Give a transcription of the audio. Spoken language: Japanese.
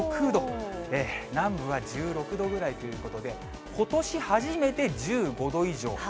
南部は１６度ぐらいということで、ことし初めて１５度以上。